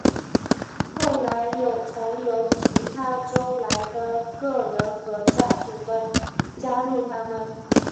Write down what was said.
后来有从由其他州来的个人和家庭们加入他们。